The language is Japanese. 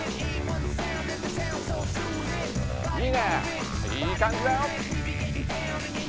いいねいい感じだよ！